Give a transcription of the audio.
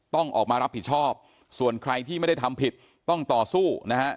ต้องออกมารับผิดชอบส่วนใครที่ไม่ได้ทำผิดต้องต่อสู้นะฮะ